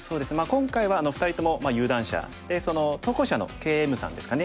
今回は２人とも有段者で投稿者のＫ．Ｍさんですかね。